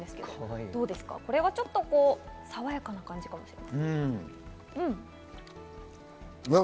これはさわやかな感じかもしれません。